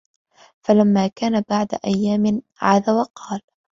فَلَمَّا كَانَ بَعْدَ أَيَّامٍ عَادَ وَقَالَ